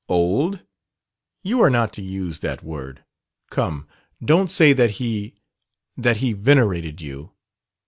"'Old' you are not to use that word. Come, don't say that he that he venerated you!"